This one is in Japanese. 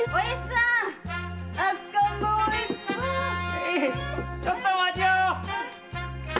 へいちょっとお待ちを！